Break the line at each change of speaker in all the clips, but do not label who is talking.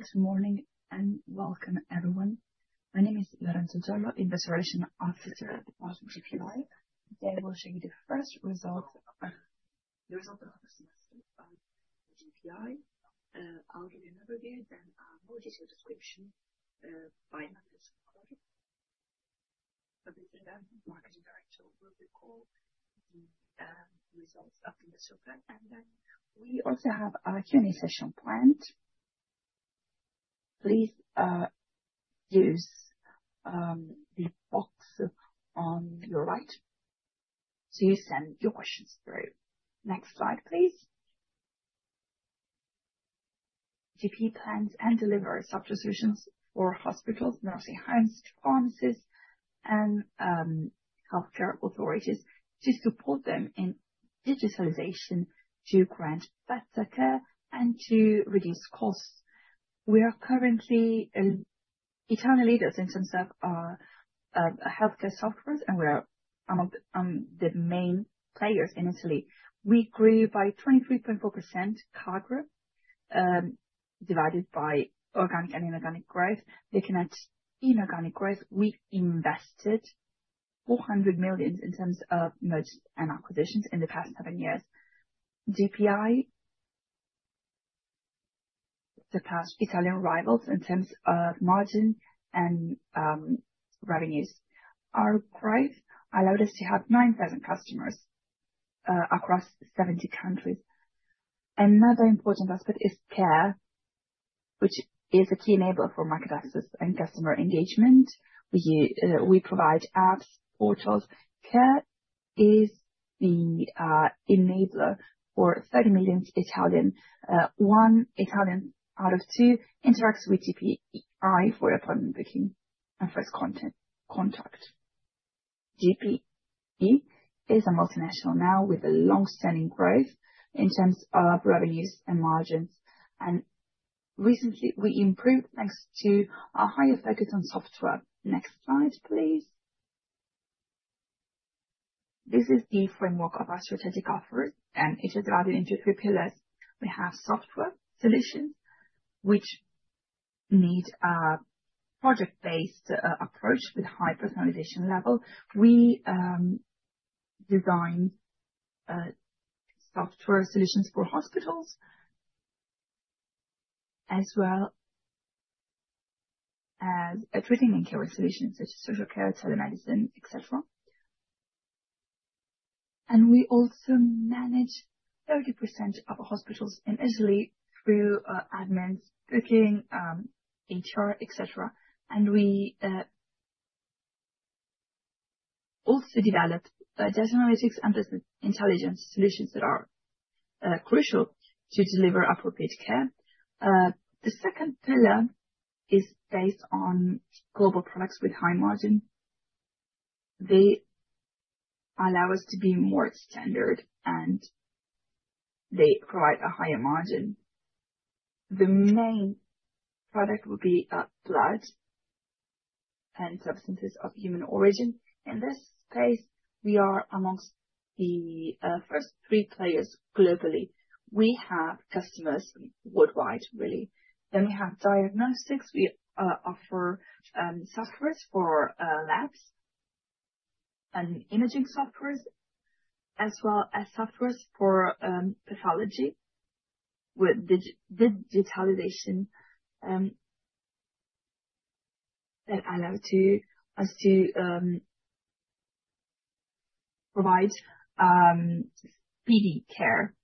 Good morning and welcome, everyone. My name is Lorenzo Giollo, Investor Relations Officer at GPI. Today we'll show you the first results of the first semester of the GPI. I'll give you an overview, then a more detailed description by Fabrizio Maggioni. So this is the Marketing Director, who will recall the results up to this so far. And then we also have a Q&A session planned. Please use the box on your right to send your questions through. Next slide, please. GPI plans and delivers software solutions for hospitals, nursing homes, pharmacies, and healthcare authorities to support them in digitalization to grant better care and to reduce costs. We are currently a leader in terms of healthcare software, and we are among the main players in Italy. We grew by 23.4% CAGR, divided into organic and inorganic growth. Looking at inorganic growth, we invested 400 million in terms of mergers and acquisitions in the past seven years. GPI, the past Italian rivals in terms of margin and revenues, our growth allowed us to have 9,000 customers across 70 countries. Another important aspect is Care, which is a key enabler for market access and customer engagement. We provide apps, portals. Care is the enabler for 30 million Italians. One Italian out of two interacts with GPI for appointment booking and first contact. GPI is a multinational now with a long-standing growth in terms of revenues and margins. And recently, we improved thanks to a higher focus on software. Next slide, please. This is the framework of our strategic offer, and it is divided into three pillars. We have software solutions, which need a project-based approach with a high personalization level. We design software solutions for hospitals as well as treating and care solutions such as social care, telemedicine, etc., and we also manage 30% of hospitals in Italy through admins, booking, HR, etc., and we also develop data analytics and intelligence solutions that are crucial to deliver appropriate care. The second pillar is based on global products with high margin. They allow us to be more standard, and they provide a higher margin. The main product would be blood and substances of human origin. In this space, we are among the first three players globally. We have customers worldwide, really, then we have diagnostics. We offer software for labs and imaging software, as well as software for pathology with digitalization that allows us to provide speedy care,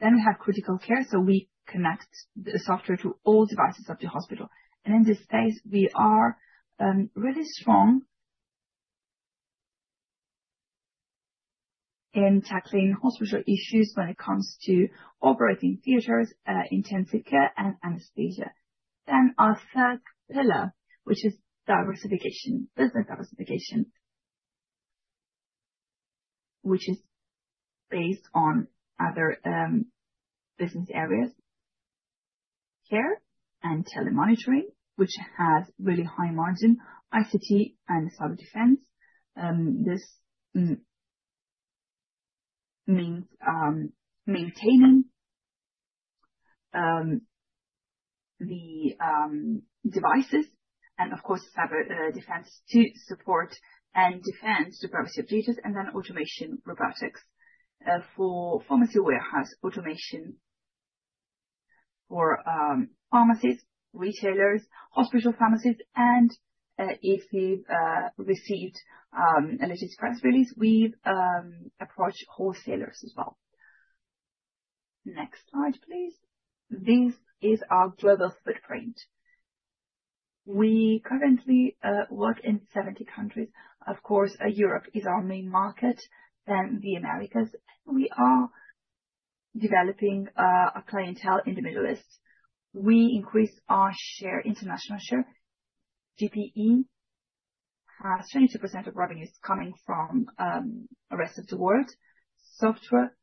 then we have critical care, so we connect the software to all devices of the hospital. In this space, we are really strong in tackling hospital issues when it comes to operating theaters, intensive care, and anesthesia. Our third pillar, which is diversification, business diversification, which is based on other business areas, care and telemonitoring, which has really high margin, ICT, and cyber defense. This means maintaining the devices and, of course, cyber defense to support and defend supervisory duties, and then automation robotics for pharmacy warehouse, automation for pharmacies, retailers, hospital pharmacies. If we've received a latest press release, we've approached wholesalers as well. Next slide, please. This is our global footprint. We currently work in 70 countries. Of course, Europe is our main market, then the Americas. We are developing a clientele in the Middle East. We increase our share, international share. GPI has 22% of revenues coming from the rest of the world. Software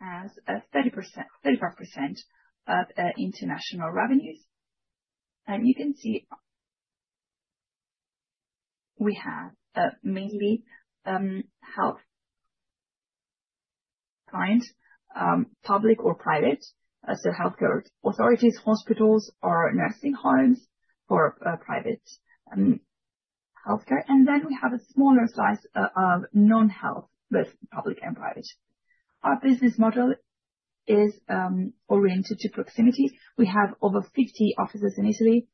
has a 35% of international revenues. You can see we have mainly health clients, public or private, so healthcare authorities, hospitals, or nursing homes for private healthcare. And then we have a smaller size of non-health, both public and private. Our business model is oriented to proximity. We have over 50 offices in Italy,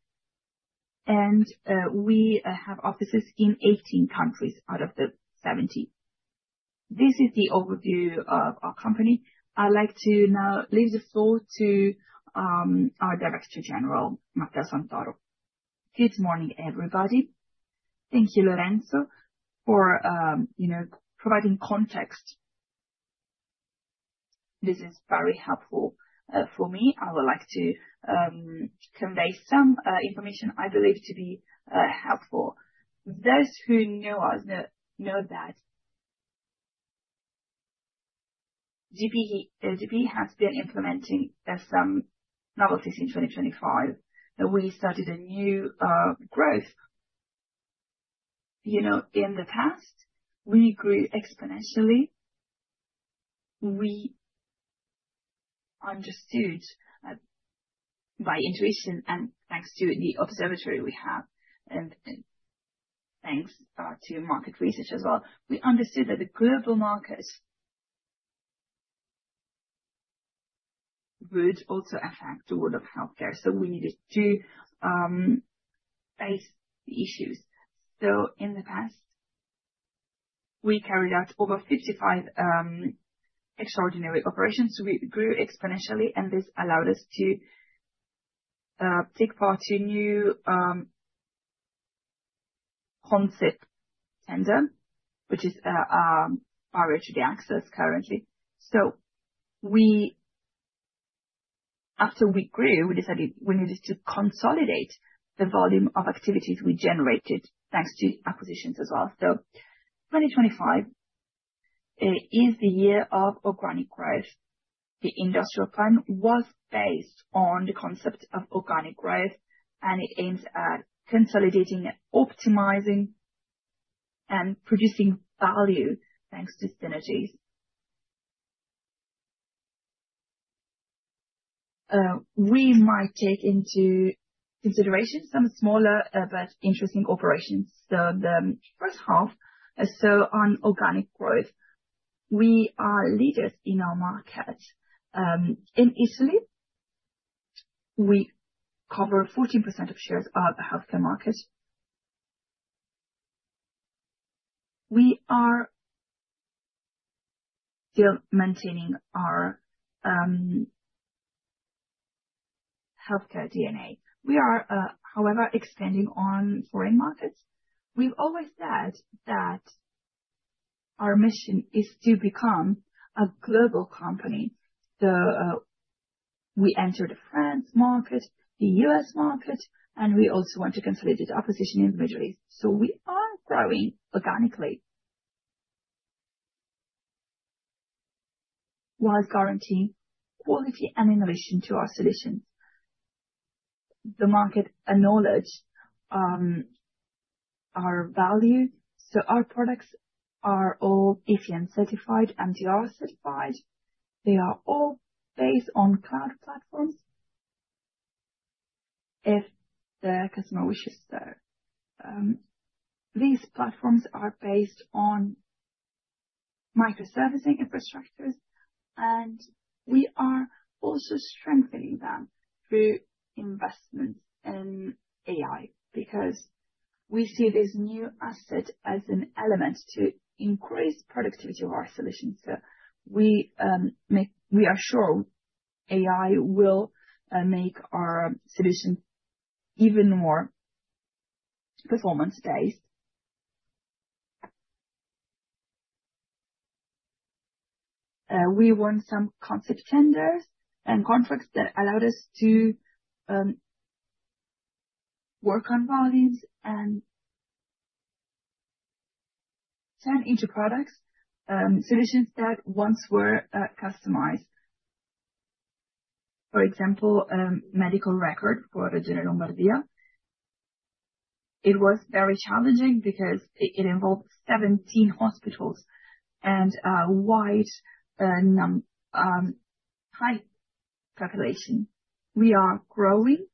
and we have offices in 18 countries out of the 70. This is the overview of our company. I'd like to now leave the floor to our Director General, Matteo Santoro.
Good morning, everybody. Thank you, Lorenzo, for providing context. This is very helpful for me. I would like to convey some information I believe to be helpful. Those who know us know that GPI has been implementing some novelties in 2025. We started a new growth. In the past, we grew exponentially. We understood by intuition, and thanks to the observatory we have, and thanks to market research as well, we understood that the global market would also affect the world of healthcare. So we needed to face the issues. So in the past, we carried out over 55 extraordinary operations. We grew exponentially, and this allowed us to take part in a new concept tender, which is barrier to the access currently. So after we grew, we decided we needed to consolidate the volume of activities we generated thanks to acquisitions as well. So 2025 is the year of organic growth. The industrial plan was based on the concept of organic growth, and it aims at consolidating, optimizing, and producing value thanks to synergies. We might take into consideration some smaller but interesting operations. So the first half, so on organic growth, we are leaders in our market. In Italy, we cover 14% of shares of the healthcare market. We are still maintaining our healthcare DNA. We are, however, expanding on foreign markets. We've always said that our mission is to become a global company. So we enter the French market, the US market, and we also want to consolidate our position in the Middle East. So we are growing organically while guaranteeing quality and innovation to our solutions. The market acknowledges our value. So our products are all CE certified, MDR certified. They are all based on cloud platforms if the customer wishes to. These platforms are based on microservices infrastructures, and we are also strengthening them through investments in AI because we see this new asset as an element to increase the productivity of our solutions. So we are sure AI will make our solutions even more performance-based. We won some Consip tenders and contracts that allowed us to work on volumes and turn into products, solutions that once were customized. For example, medical record for the Lombardy. It was very challenging because it involved 17 hospitals and a wide high population. We are growing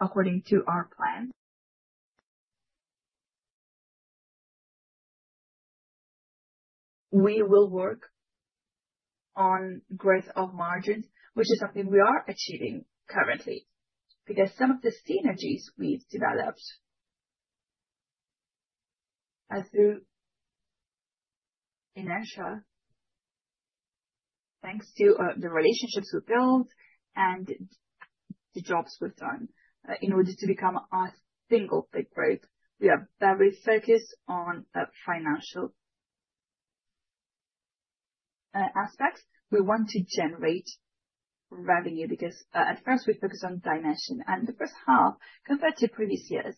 according to our plan. We will work on growth of margins, which is something we are achieving currently because some of the synergies we've developed are through financial, thanks to the relationships we've built and the jobs we've done. In order to become a single big growth, we are very focused on financial aspects. We want to generate revenue because at first, we focus on dimension, and the first half, compared to previous years,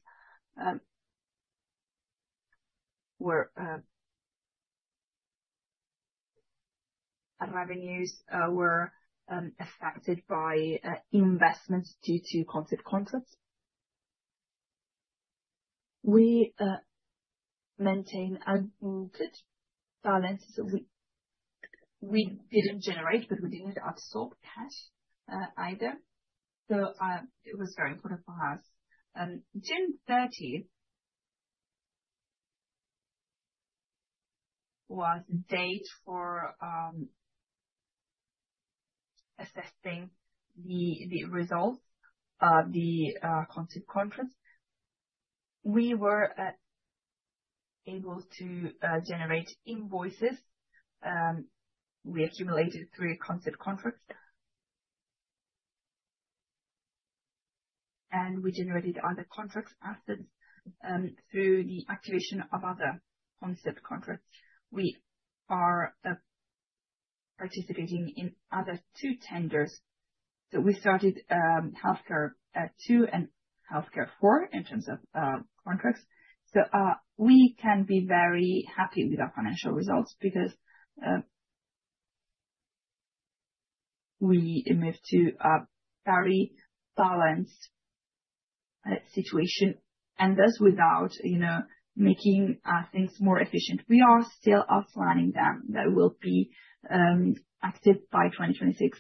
where revenues were affected by investments due to Consip contracts. We maintain a good balance. We didn't generate, but we didn't absorb cash either. It was very important for us. June 30th was the date for assessing the results of the concept contracts. We were able to generate invoices. We accumulated through concept contracts, and we generated other contracts through the activation of other concept contracts. We are participating in other two tenders. We started healthcare two and healthcare four in terms of contracts. We can be very happy with our financial results because we moved to a very balanced situation and thus without making things more efficient. We are still outlining them that will be active by 2026.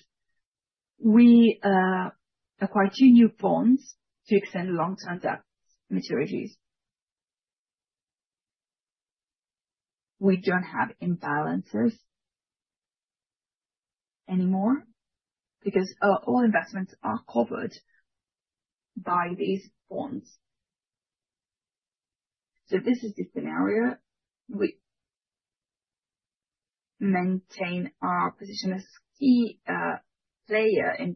We acquired two new bonds to extend long-term debt maturities. We don't have imbalances anymore because all investments are covered by these bonds. This is the scenario. We maintain our position as a key player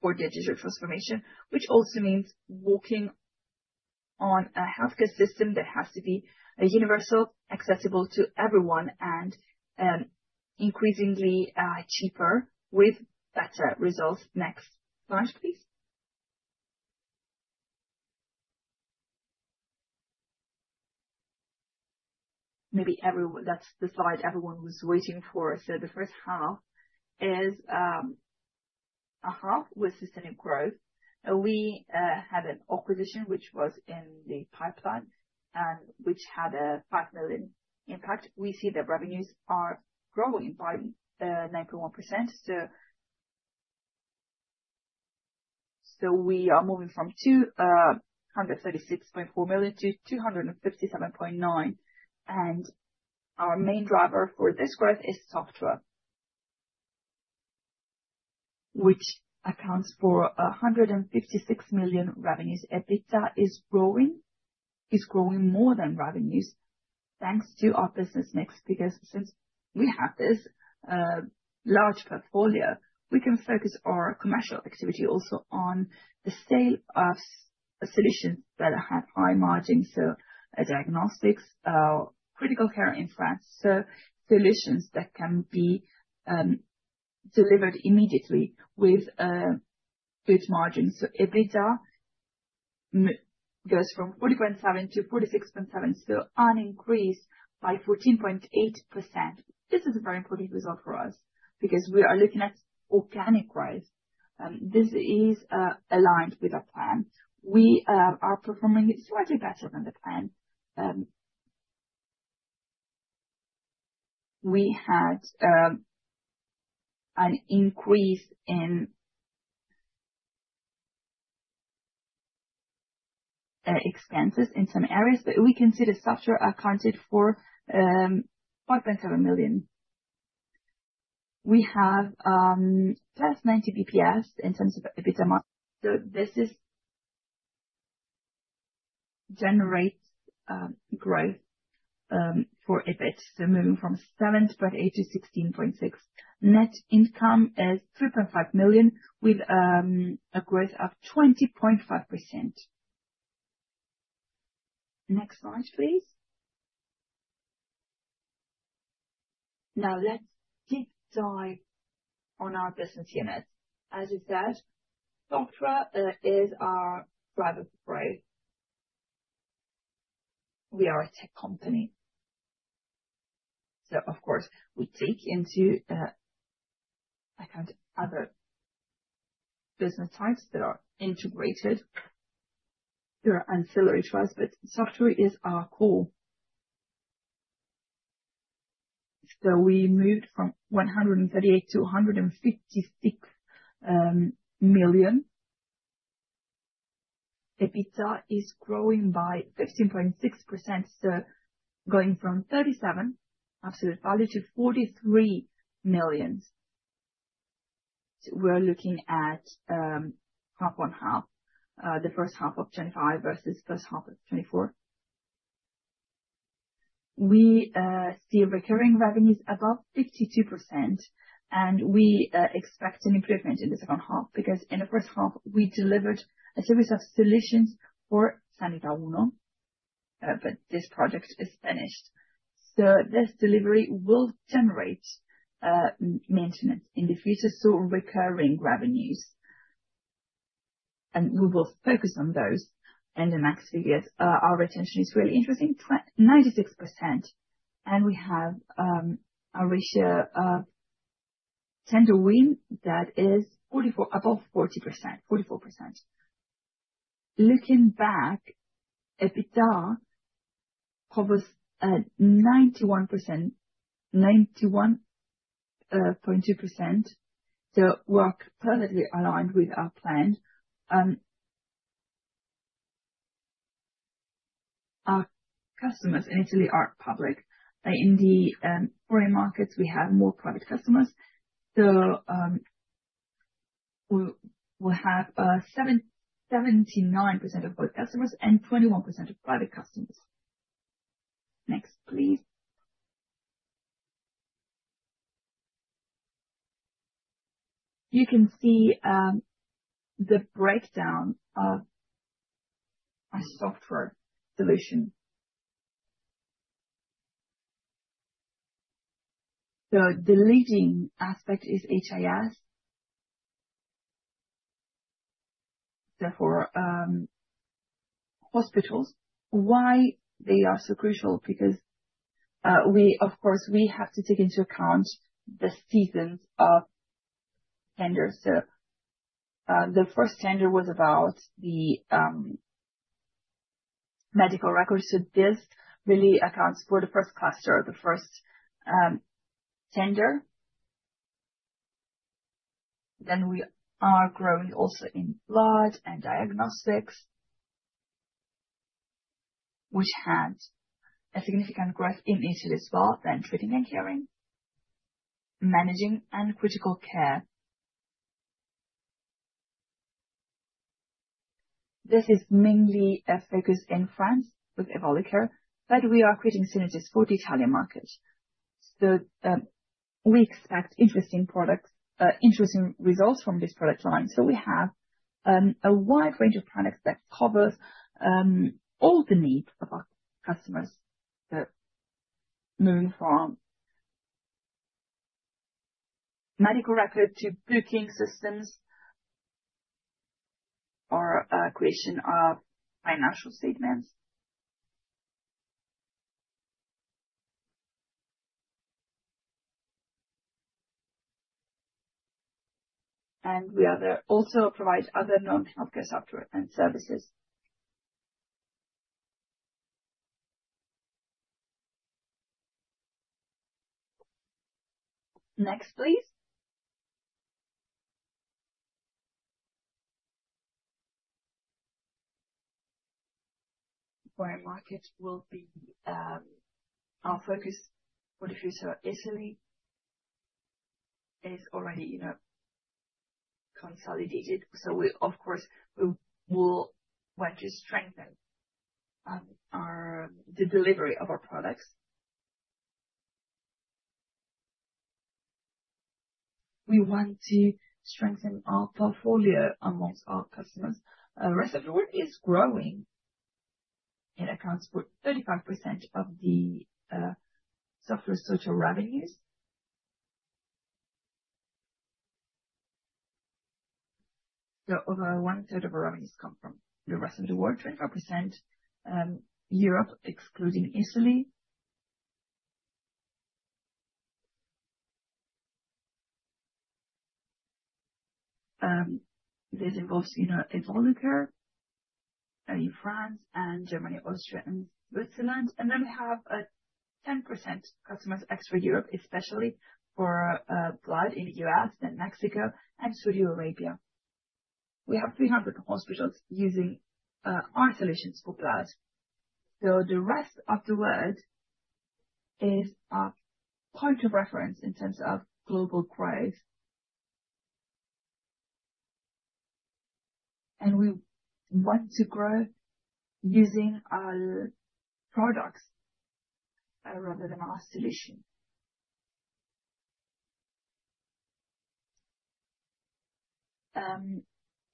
for digital transformation, which also means working on a healthcare system that has to be universal, accessible to everyone, and increasingly cheaper with better results. Next slide, please. Maybe that's the slide everyone was waiting for, so the first half is a half with systemic growth. We had an acquisition which was in the pipeline and which had a 5 million impact. We see that revenues are growing by 9.1%. We are moving from 236.4 million to 257.9 million. Our main driver for this growth is software, which accounts for 156 million revenues. EBITDA is growing more than revenues thanks to our business mix because since we have this large portfolio, we can focus our commercial activity also on the sale of solutions that have high margins, so diagnostics, critical care in France. Solutions that can be delivered immediately with good margins. EBITDA goes from 40.7 million to 46.7 million, so an increase by 14.8%. This is a very important result for us because we are looking at organic growth. This is aligned with our plan. We are performing slightly better than the plan. We had an increase in expenses in some areas, but we consider software accounted for 5.7 million. We have plus 90 basis points in terms of EBITDA. So this generates growth for EBITDA. So moving from 7.8% to 16.6%. Net income is 3.5 million with a growth of 20.5%. Next slide, please. Now let's deep dive on our business unit. As we said, software is our driver for growth. We are a tech company. So of course, we take into account other business types that are integrated. There are ancillary trusts, but software is our core. We moved from 138 million to 156 million. EBITDA is growing by 15.6%. Going from 37 million absolute value to 43 million. We're looking at half on half, the first half of 2025 versus first half of 2024. We see recurring revenues above 52%, and we expect an improvement in the second half because in the first half, we delivered a series of solutions for Sanità 1, but this project is finished. This delivery will generate maintenance in the future, so recurring revenues. We will focus on those in the next few years. Our retention is really interesting, 96%. We have a ratio of tender win that is above 40%, 44%. Looking back, EBITDA covers 91.2%. We're perfectly aligned with our plan. Our customers in Italy are public. In the foreign markets, we have more private customers. So we'll have 79% of both customers and 21% of private customers. Next, please. You can see the breakdown of our software solution. The leading aspect is HIS. So for hospitals, why they are so crucial? Because we, of course, we have to take into account the sessions of tenders. So the first tender was about the medical records. So this really accounts for the first cluster, the first tender. Then we are growing also in blood and diagnostics, which had a significant growth in Italy as well, then treating and caring, managing, and critical care. This is mainly a focus in France with Evolucare, but we are creating synergies for the Italian market. So we expect interesting results from this product line. So we have a wide range of products that covers all the needs of our customers. Moving from medical record to booking systems or creation of financial statements. And we also provide other non-healthcare software and services. Next, please. Foreign markets will be our focus. As you saw, Italy is already consolidated. We, of course, will want to strengthen the delivery of our products. We want to strengthen our portfolio amongst our customers. Reservoir is growing and accounts for 35% of the software total revenues. Over one third of our revenues come from the rest of the world, 25% Europe, excluding Italy. This involves Evolucare in France and Germany, Austria, and Switzerland. And then we have a 10% customers extra Europe, especially for blood in the U.S., then Mexico, and Saudi Arabia. We have 300 hospitals using our solutions for blood. The rest of the world is a point of reference in terms of global growth. We want to grow using our products rather than our solution.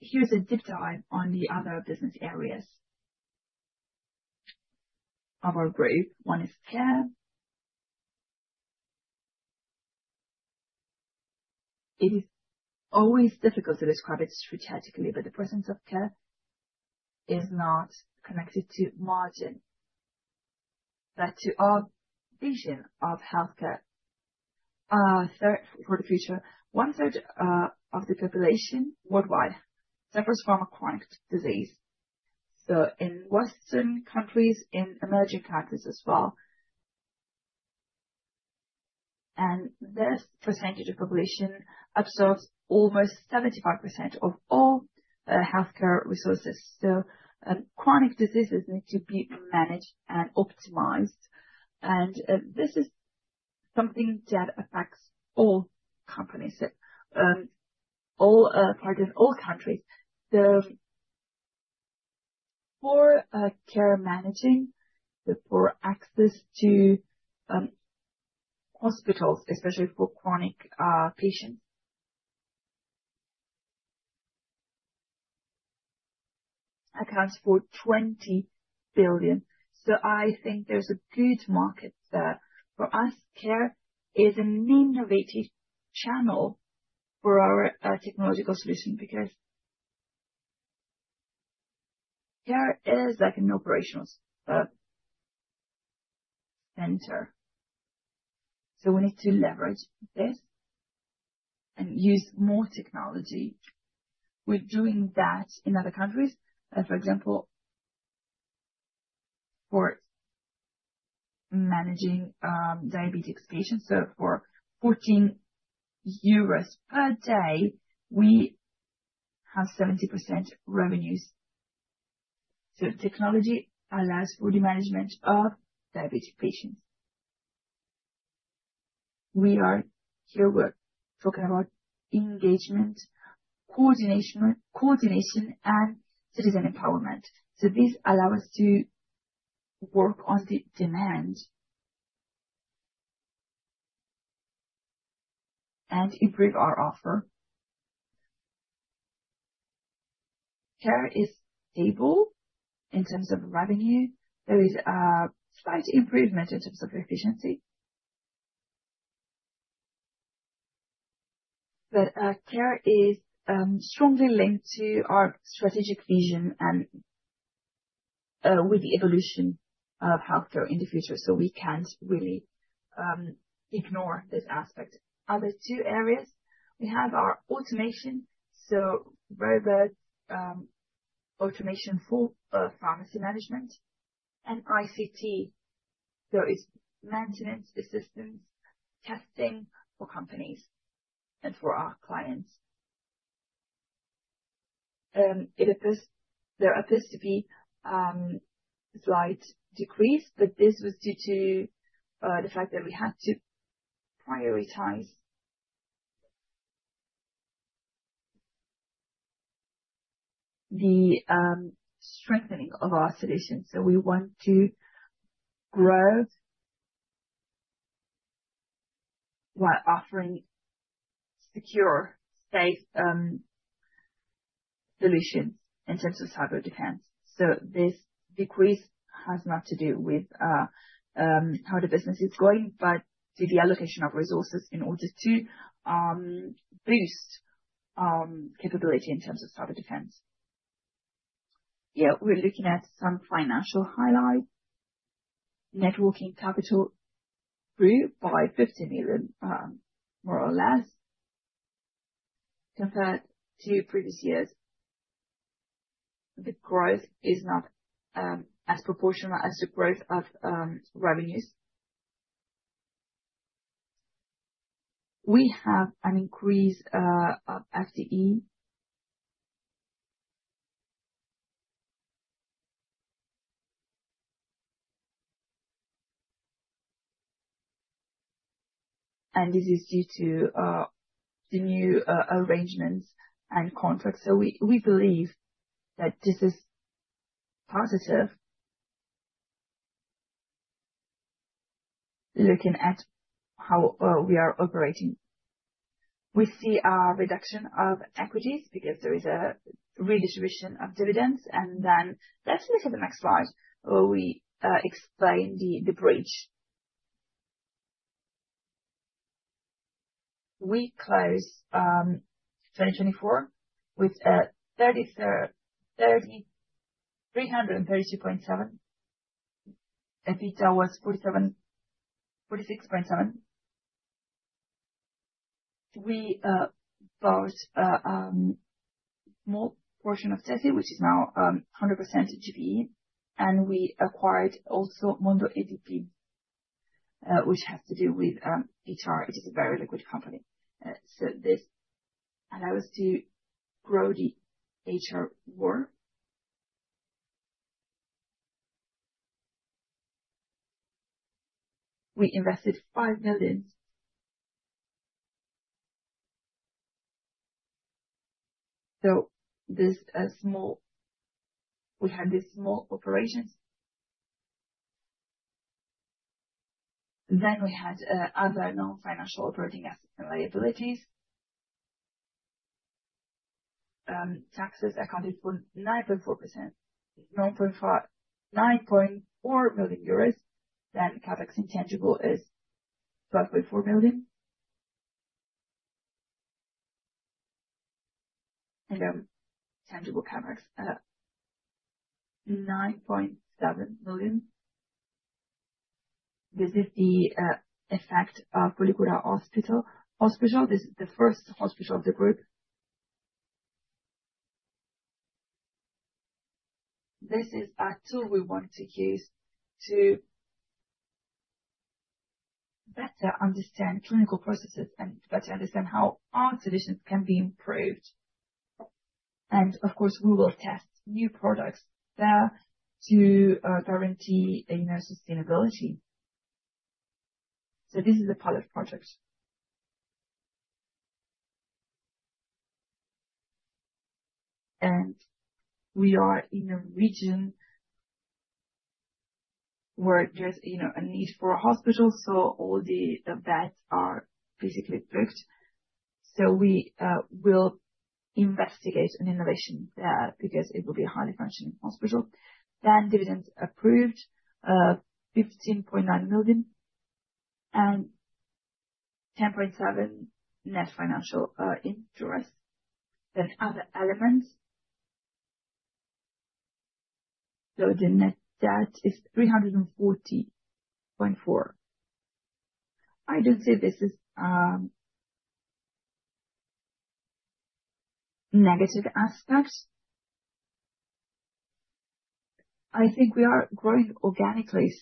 Here's a deep dive on the other business areas of our group. One is Care. It is always difficult to describe it strategically, but the presence of Care is not connected to margin, but to our vision of healthcare. For the future, one third of the population worldwide suffers from a chronic disease. So in Western countries, in emerging countries as well. And this percentage of population absorbs almost 75% of all healthcare resources. So chronic diseases need to be managed and optimized. And this is something that affects all companies, all countries. So for Care managing, so for access to hospitals, especially for chronic patients, accounts for 20 billion EUR. So I think there's a good market there for us. Care is an innovated channel for our technological solution because Care is like an operational center. We need to leverage this and use more technology. We're doing that in other countries. For example, for managing diabetic patients. So for 14 euros per day, we have 70% revenues. So technology allows for the management of diabetic patients. We are here, we're talking about engagement, coordination, and citizen empowerment. So this allows us to work on the demand and improve our offer. Care is stable in terms of revenue. There is a slight improvement in terms of efficiency. But care is strongly linked to our strategic vision and with the evolution of healthcare in the future. So we can't really ignore this aspect. Other two areas we have are automation. So robot automation for pharmacy management and ICT. So it's maintenance assistance, testing for companies and for our clients. There appears to be a slight decrease, but this was due to the fact that we had to prioritize the strengthening of our solutions. So we want to grow while offering secure, safe solutions in terms of cyber defense. So this decrease has nothing to do with how the business is going, but to the allocation of resources in order to boost capability in terms of cyber defense. Yeah, we're looking at some financial highlights. Net working capital grew by 15 million, more or less, compared to previous years. The growth is not as proportional as the growth of revenues. We have an increase of FTE. And this is due to the new arrangements and contracts. So we believe that this is positive, looking at how we are operating. We see a reduction of equities because there is a redistribution of dividends. And then let's look at the next slide where we explain the bridge. We close 2024 with EUR 3,332.7 million. EBITDA was EUR 46.7 million. We bought a small portion of Tesi, which is now 100% GPI. And we acquired also Mondo EDP, which has to do with HR. It is a very liquid company. So this allows us to grow the HR world. We invested EUR 5 million. So we had these small operations. Then we had other non-financial operating assets and liabilities. Taxes accounted for 9.4 million euros. Then CapEx intangible is 12.4 million. And then tangible CapEx, 9.7 million. This is the effect of Policoro Hospital. This is the first hospital of the group. This is a tool we want to use to better understand clinical processes and better understand how our solutions can be improved. And of course, we will test new products there to guarantee sustainability. This is a pilot project. We are in a region where there's a need for hospitals, so all the beds are basically booked. We will investigate an innovation there because it will be a highly functioning hospital. Dividends approved, 15.9 million. 10.7 million net financial position. Other elements. The net debt is 340.4 million. I don't see this as a negative aspect. I think we are growing organically.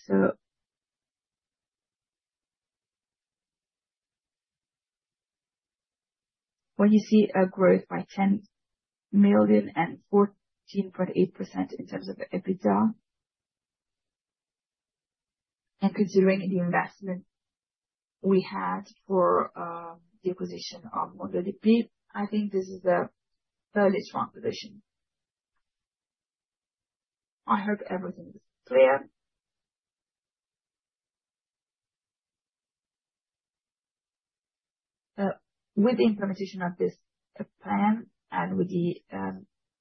When you see a growth by 10 million and 14.8% in terms of EBITDA, and considering the investment we had for the acquisition of Mondo EDP, I think this is a fairly strong position. I hope everything is clear. With the implementation of this plan and with the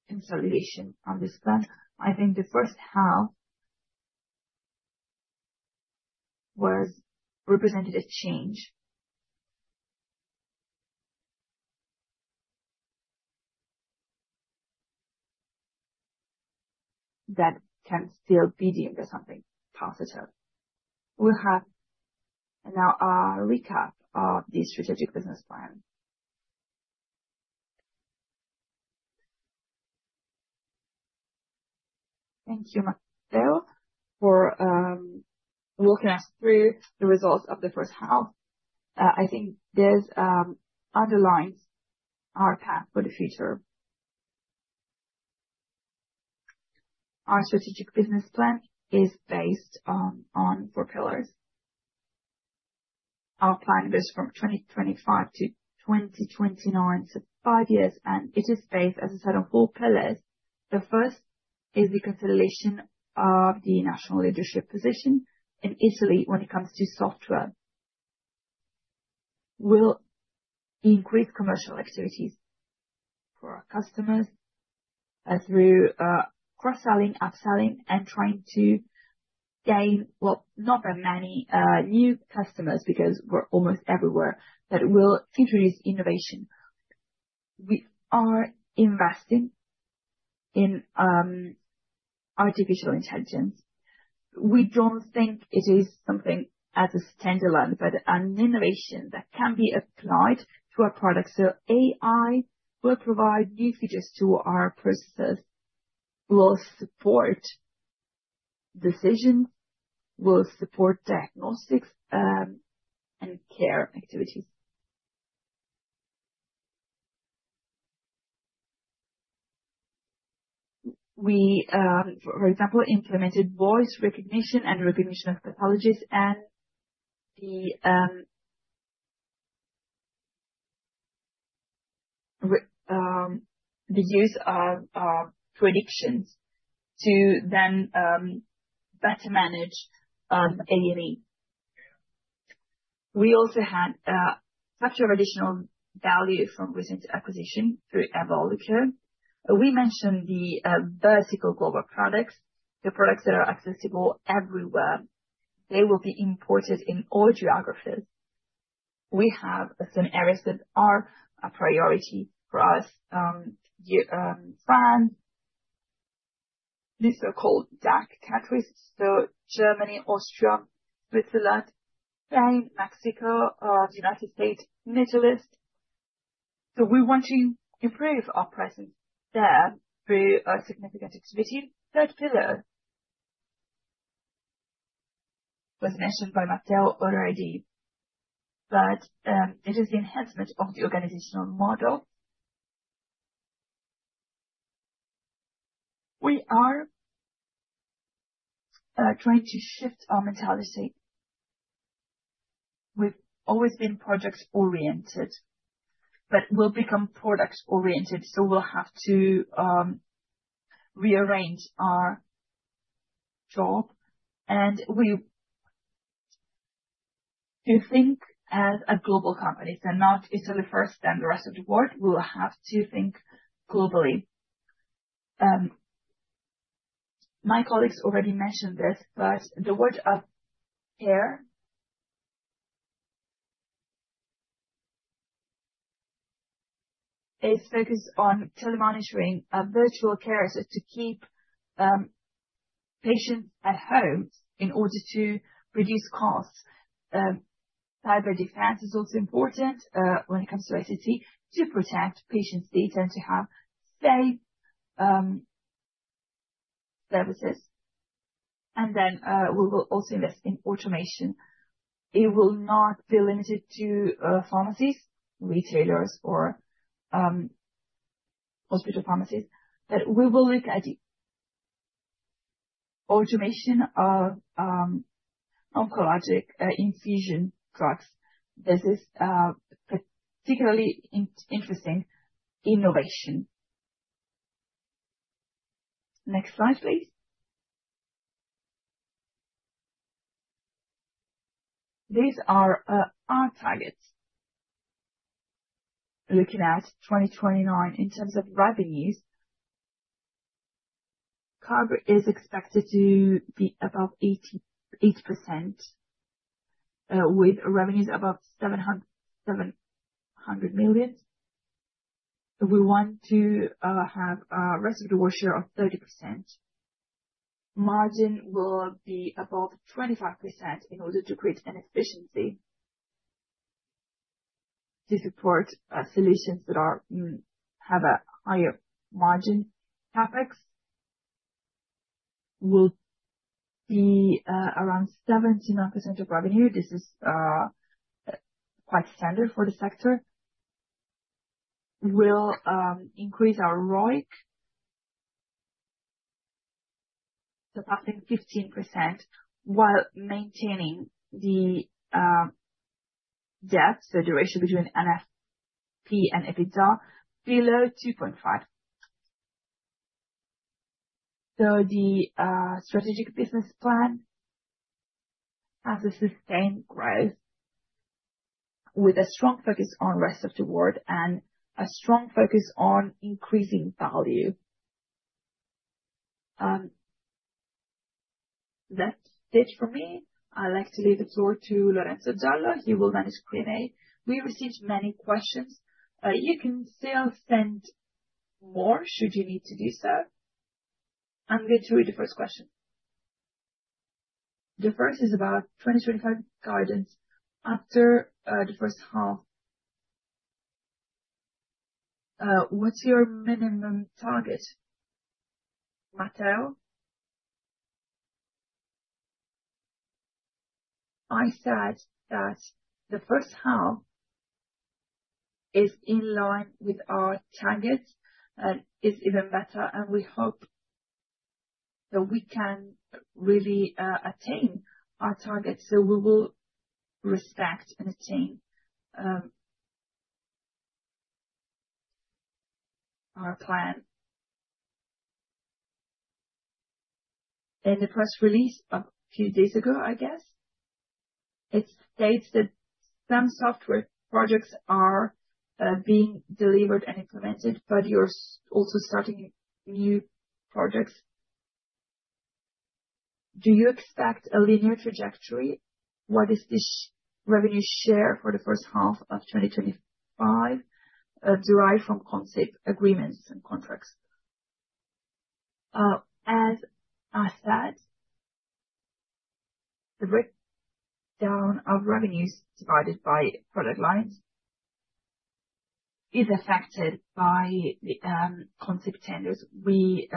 consolidation on this plan, I think the first half represented a change that can still be deemed as something positive. We'll have now a recap of the strategic business plan.
Thank you, Matteo, for walking us through the results of the first half. I think this underlines our path for the future. Our strategic business plan is based on four pillars. Our plan goes from 2025 to 2029, so five years, and it is based, as I said, on four pillars. The first is the consolidation of the national leadership position in Italy when it comes to software. We'll increase commercial activities for our customers through cross-selling, upselling, and trying to gain not that many new customers because we're almost everywhere, but we'll introduce innovation. We are investing in artificial intelligence. We don't think it is something as a standalone, but an innovation that can be applied to our products. So AI will provide new features to our processes, will support decisions, will support diagnostics, and care activities. We, for example, implemented voice recognition and recognition of pathologies and the use of predictions to then better manage A&E. We also had capture of additional value from recent acquisition through Evolucare. We mentioned the vertical global products, the products that are accessible everywhere. They will be imported in all geographies. We have some areas that are a priority for us: France, the so-called DACH countries, so Germany, Austria, Switzerland, Spain, Mexico, the United States, Middle East. So we want to improve our presence there through significant activity. Third pillar was mentioned by Matteo already, but it is the enhancement of the organizational model. We are trying to shift our mentality. We've always been project-oriented, but we'll become product-oriented, so we'll have to rearrange our job. And we think as a global company, so not Italy first, then the rest of the world. We'll have to think globally. My colleagues already mentioned this, but the world of care is focused on telemonitoring of virtual care to keep patients at home in order to reduce costs. Cyber defense is also important when it comes to ICT to protect patients' data and to have safe services. And then we will also invest in automation. It will not be limited to pharmacies, retailers, or hospital pharmacies, but we will look at automation of oncologic infusion drugs. This is particularly interesting innovation. Next slide, please. These are our targets. Looking at 2029 in terms of revenues, CAB is expected to be above 80% with revenues above 700 million. We want to have a reservoir share of 30%. Margin will be above 25% in order to create an efficiency to support solutions that have a higher margin. CapEx will be around 79% of revenue. This is quite standard for the sector. We'll increase our ROIC to 15% while maintaining the debt, the duration between NFP and EBITDA, below 2.5. So the strategic business plan has a sustained growth with a strong focus on rest of the world and a strong focus on increasing value. That's it for me. I'd like to leave the floor to Lorenzo Giollo. He will manage Q&A. We received many questions. You can still send more should you need to do so. I'm going to read the first question. The first is about 2025 guidance after the first half. What's your minimum target, Matteo?
I said that the first half is in line with our targets and is even better, and we hope that we can really attain our targets. So we will respect and attain our plan. In the press release a few days ago, I guess, it states that some software projects are being delivered and implemented, but you're also starting new projects.
Do you expect a linear trajectory? What is the revenue share for the first half of 2025 derived from concept agreements and contracts?
As I said, the breakdown of revenues divided by product lines is affected by the concept tenders. We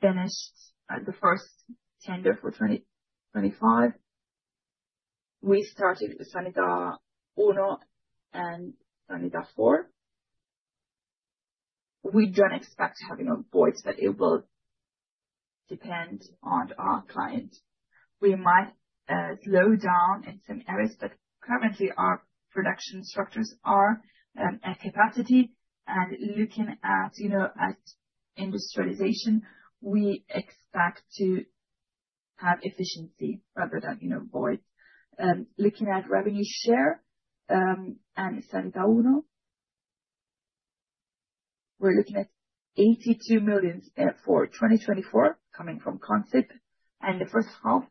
finished the first tender for 2025. We started with Sanità 1 and Sanità 4. We don't expect having a void, but it will depend on our clients. We might slow down in some areas, but currently, our production structures are at capacity. And looking at industrialization, we expect to have efficiency rather than void. Looking at revenue share and Sanità 1, we're looking at 82 million for 2024 coming from concept. And the first half,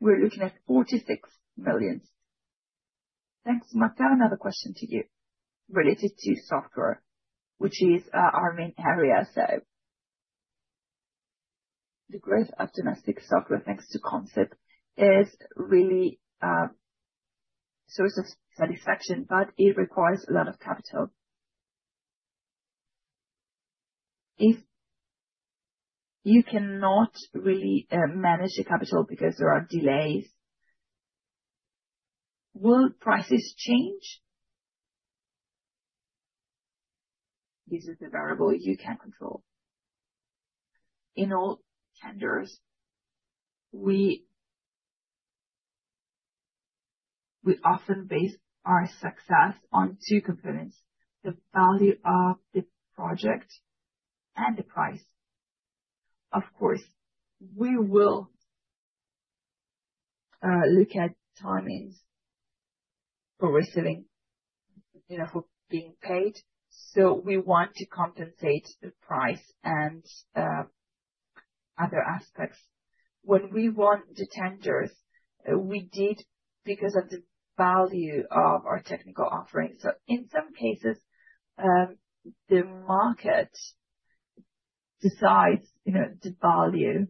we're looking at 46 million.
Thanks, Matteo. Another question to you related to software, which is our main area. So the growth of domestic software thanks to concept is really a source of satisfaction, but it requires a lot of capital. If you cannot really manage the capital because there are delays, will prices change?
This is a variable you can control. In all tenders, we often base our success on two components: the value of the project and the price. Of course, we will look at timings for receiving, for being paid. So we want to compensate the price and other aspects. When we won the tenders, we did because of the value of our technical offering. So in some cases, the market decides the value.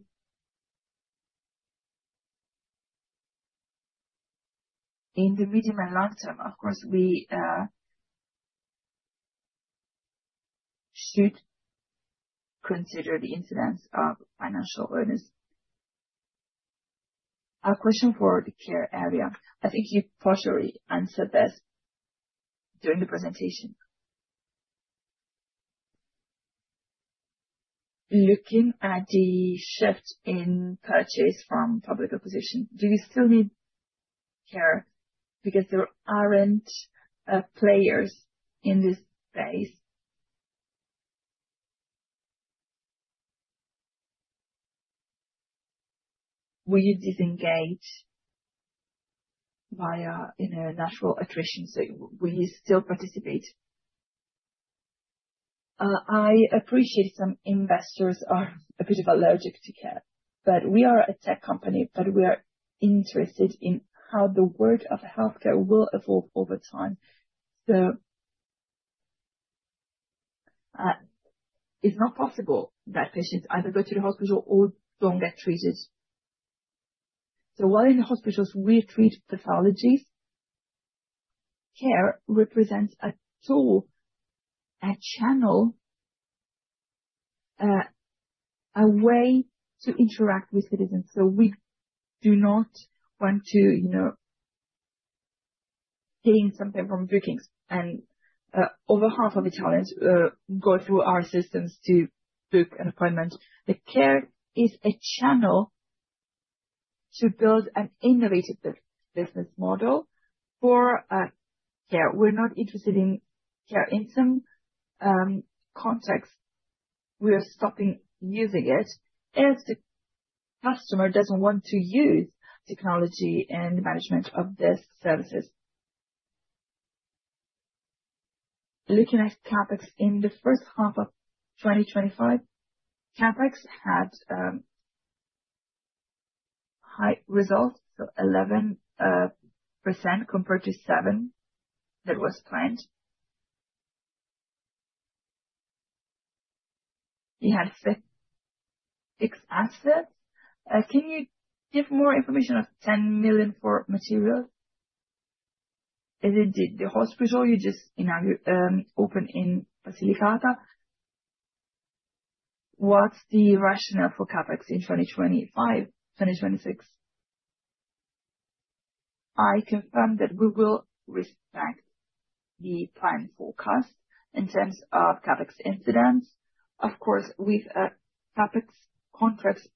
In the medium and long term, of course, we should consider the incidence of financial earnest.
A question for the care area. I think you partially answered this during the presentation. Looking at the shift in purchase from public acquisition, do you still need Care because there aren't players in this space? Will you disengage via natural attrition? So will you still participate?
I appreciate some investors are a bit allergic to Care, but we are a tech company, but we are interested in how the world of healthcare will evolve over time. It's not possible that patients either go to the hospital or don't get treated. While in the hospitals, we treat pathologies, Care represents a tool, a channel, a way to interact with citizens. We do not want to gain something from bookings, and over half of Italians go through our systems to book an appointment. Care is a channel to build an innovative business model for Care. We're not interested in care in some contexts. We are stopping using it if the customer doesn't want to use technology and management of these services. Looking at CapEx in the first half of 2025, CapEx had high results, so 11% compared to 7% that was planned. We had six assets.
Can you give more information on 10 million for materials? Is it the hospital? You just opened in Basilicata. What's the rationale for CapEx in 2025, 2026?
I confirm that we will respect the plan forecast in terms of CapEx incidence. Of course, with CapEx contracts,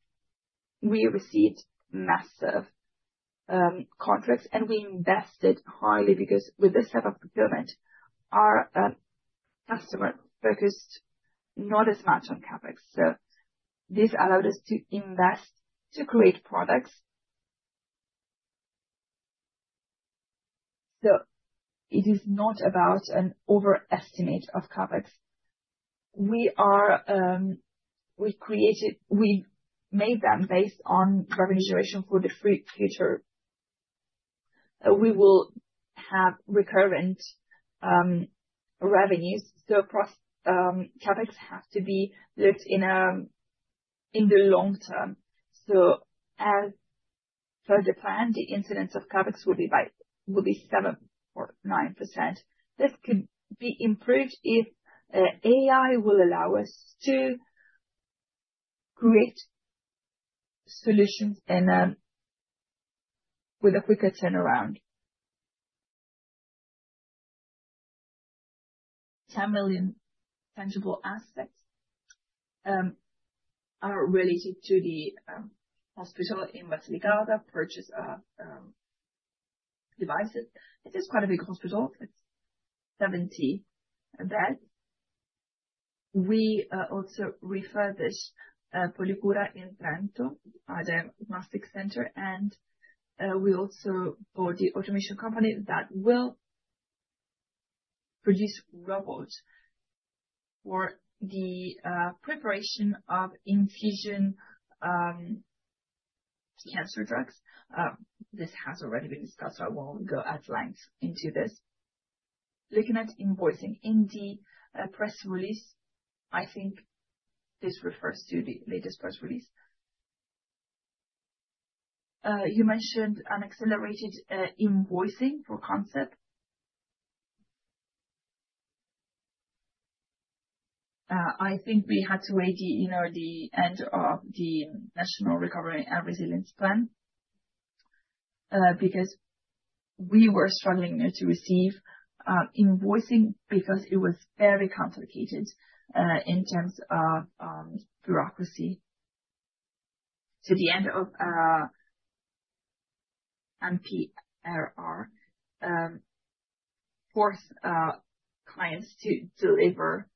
we received massive contracts, and we invested highly because with this type of procurement, our customer focused not as much on CapEx. So this allowed us to invest to create products. So it is not about an overestimate of CapEx. We made them based on revenue generation for the future. We will have recurrent revenues. So CapEx has to be looked at in the long term. So as per the plan, the incidence of CapEx will be 7% or 9%. This could be improved if AI will allow us to create solutions with a quicker turnaround. 10 million tangible assets are related to the hospital in Basilicata purchase of devices. It is quite a big hospital. It's 70 beds. We also refurbished Policoro in Trento, our diagnostic center, and we also bought the automation company that will produce robots for the preparation of infusion cancer drugs. This has already been discussed, so I won't go at length into this. Looking at invoicing in the press release, I think this refers to the latest press release. You mentioned an accelerated invoicing for concept. I think we had to wait the end of the National Recovery and Resilience Plan because we were struggling to receive invoicing because it was very complicated in terms of bureaucracy. To the end of NRRP, four clients to deliver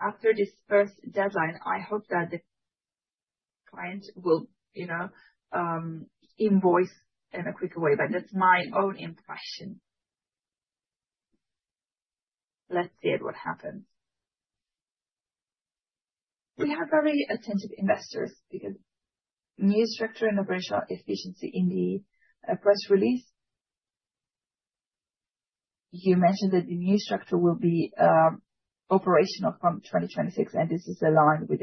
after this first deadline. I hope that the client will invoice in a quicker way, but that's my own impression. Let's see what happens. We have very attentive investors because new structure and operational efficiency in the press release.
You mentioned that the new structure will be operational from 2026, and this is aligned with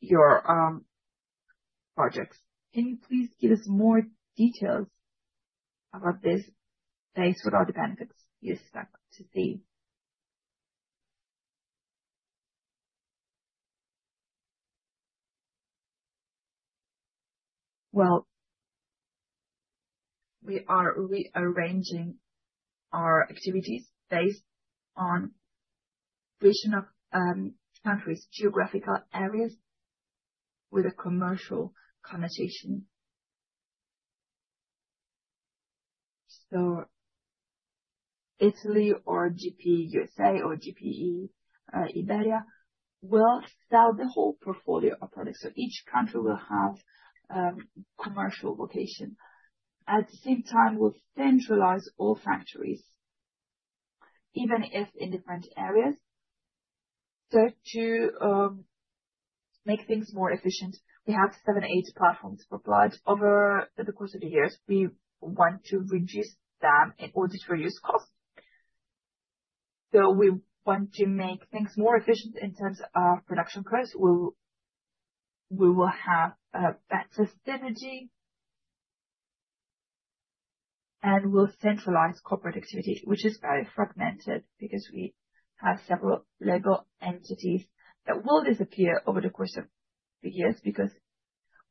your projects. Can you please give us more details about this based on all the benefits you expect to see?
Well, we are rearranging our activities based on vision of countries, geographical areas with a commercial connotation. So Italy or GPI USA or GPI Iberia will sell the whole portfolio of products. Each country will have a commercial vocation. At the same time, we'll centralize all factories, even if in different areas. To make things more efficient, we have seven or eight platforms for blood over the course of the years. We want to reduce them in order to reduce costs. We want to make things more efficient in terms of production costs. We will have better synergy. We'll centralize corporate activity, which is very fragmented because we have several legal entities that will disappear over the course of the years because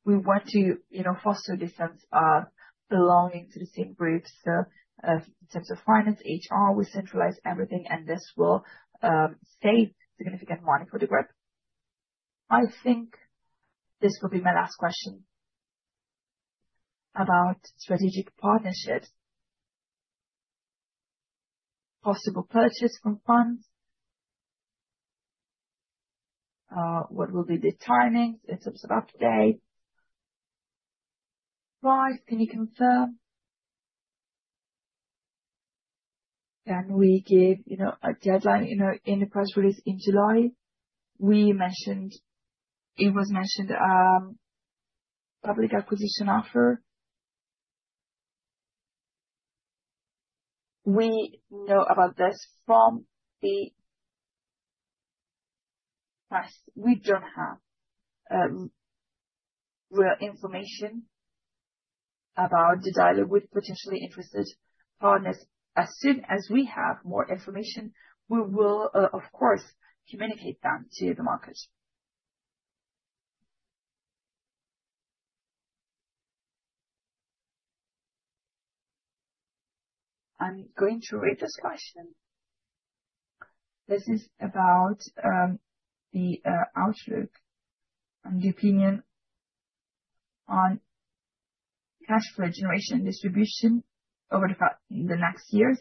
we want to foster this sense of belonging to the same groups. In terms of finance, HR, we centralize everything, and this will save significant money for the group.
I think this will be my last question about strategic partnerships. Possible purchase from funds. What will be the timings in terms of update? Price, can you confirm? Can we give a deadline in the press release in July?
It was mentioned public acquisition offer. We know about this from the press. We don't have real information about the dialogue with potentially interested partners. As soon as we have more information, we will, of course, communicate that to the market. I'm going to read this question. This is about the outlook and the opinion on cash flow generation distribution over the next years.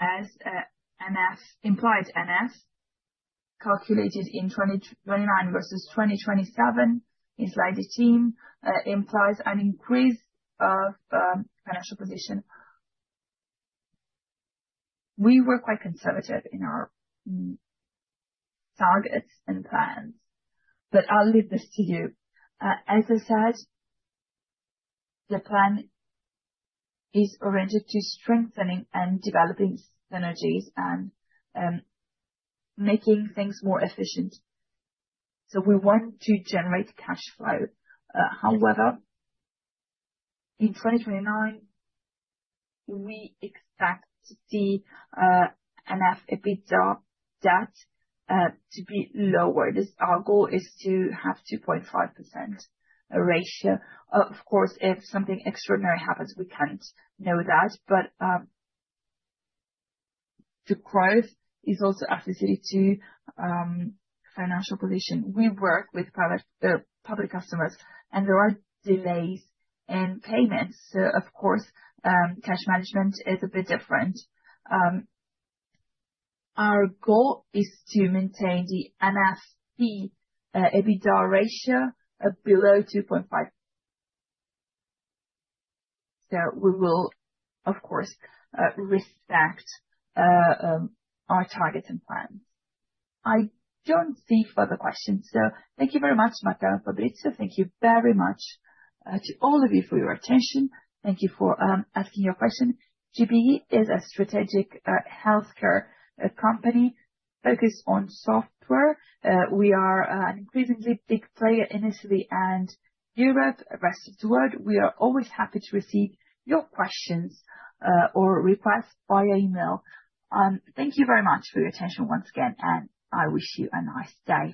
As NF implied, NF calculated in 2029 versus 2027, in slide 18, implies an increase of financial position. We were quite conservative in our targets and plans, but I'll leave this to you. As I said, the plan is oriented to strengthening and developing synergies and making things more efficient. So we want to generate cash flow. However, in 2029, we expect to see NF EBITDA debt to be lower. Our goal is to have a 2.5% ratio. Of course, if something extraordinary happens, we can't know that, but the growth is also associated with financial position. We work with public customers, and there are delays in payments. So, of course, cash management is a bit different. Our goal is to maintain the NFP EBITDA ratio below 2.5. So we will, of course, respect our targets and plans.
I don't see further questions. So thank you very much, Matteo and Fabrizio. Thank you very much to all of you for your attention. Thank you for asking your question. GPI is a strategic healthcare company focused on software. We are an increasingly big player in Italy and Europe, rest of the world. We are always happy to receive your questions or requests via email. Thank you very much for your attention once again, and I wish you a nice day.